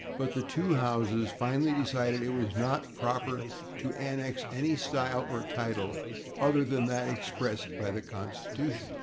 But the two Houses finally decided that it was "not proper to annex any style or title other than that expressed by the Constitution."